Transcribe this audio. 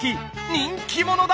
人気者だ！